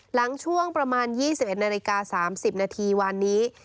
หลังช่วงประมาณ๒๑นาฬิกา๓๐นาทีวันนี้